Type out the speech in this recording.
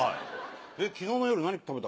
昨日の夜何食べたかな？